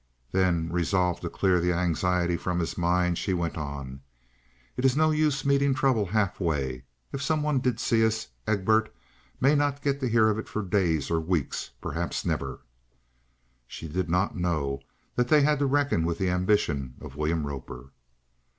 Then, resolved to clear the anxiety away from his mind, she went on: "It's no use meeting trouble half way. If some one did see us, Egbert may not get to hear of it for days, or weeks perhaps never." She did not know that they had to reckon with the ambition of William Roper.